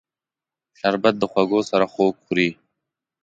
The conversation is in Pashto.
شربت د خوږو سره خوږ خوري